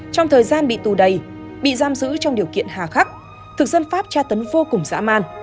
trong thời gian bị tù đầy bị giam giữ trong điều kiện hà khắc thực dân pháp tra tấn vô cùng dã man